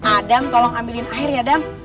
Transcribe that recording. adam tolong ambilin air ya dam